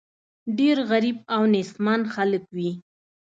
ډېر غریب او نېستمن خلک وي.